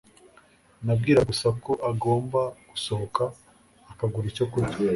Nabwiraga gusa ko agomba gusohoka akagura icyo kurya.